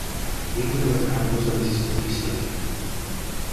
Никој нема храброст да ми се спротистави.